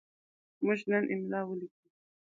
موږ نن املا ولیکه.